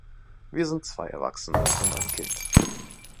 Wir sind zwei Erwachsene und ein Kind.